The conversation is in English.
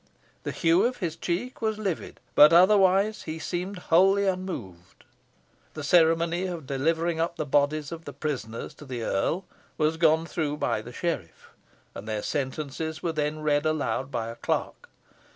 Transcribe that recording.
The hue of his cheek was livid, but otherwise he seemed wholly unmoved. The ceremony of delivering up the bodies of the prisoners to the earl was gone through by the sheriff, and their sentences were then read aloud by a clerk.